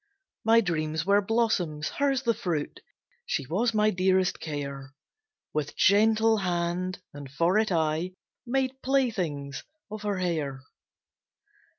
My dreams were blossoms, hers the fruit, She was my dearest care; With gentle hand, and for it, I Made playthings of her hair.